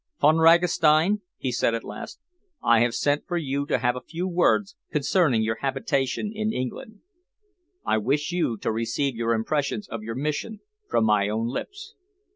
"Von Ragastein," he said at last, "I have sent for you to have a few words concerning your habitation in England. I wish you to receive your impressions of your mission from my own lips."